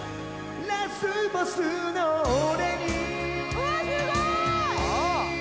うわすごい！